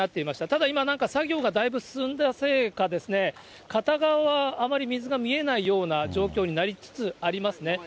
ただ、今、作業がだいぶ進んだせいか、片側はあまり水が見えないような状況になりつつありますね。